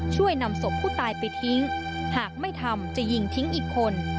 ช่วยนำศพผู้ตายไปทิ้งหากไม่ทำจะยิงทิ้งอีกคน